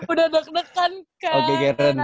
udah deg degan kan